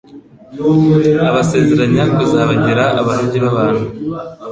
abasezeranya kuzabagira abarobyi b'abantu.